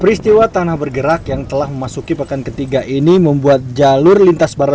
peristiwa tanah bergerak yang telah memasuki pekan ketiga ini membuat jalur lintas barat